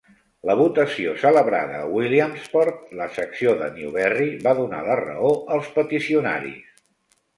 La votació celebrada a Williamsport, la secció de Newberry, va donar la raó als peticionaris.